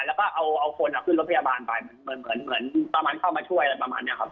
แล้วก็เอาเอาคนเอาขึ้นรถพยาบาลไปเหมือนเหมือนเหมือนประมาณเข้ามาช่วยอะไรประมาณนี้ครับ